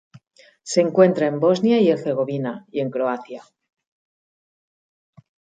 Se encuentra en Bosnia y Herzegovina y en Croacia.